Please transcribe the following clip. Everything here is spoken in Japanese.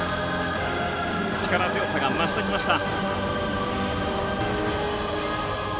力強さが増してきました。